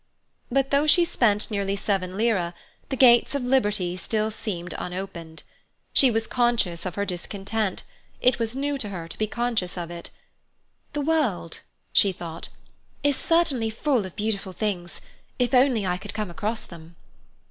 But though she spent nearly seven lire, the gates of liberty seemed still unopened. She was conscious of her discontent; it was new to her to be conscious of it. "The world," she thought, "is certainly full of beautiful things, if only I could come across them."